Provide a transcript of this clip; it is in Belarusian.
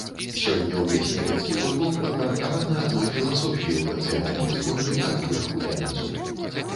Сёння ўвесь нямецкі футбол падпарадкаваны адной філасофіі ў нацыянальных зборных ад верху да нізу.